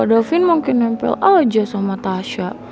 daudavin mungkin nempel aja sama tasya